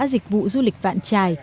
dịch vụ du lịch vạn trài